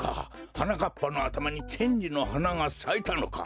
はなかっぱのあたまにチェンジのはながさいたのか！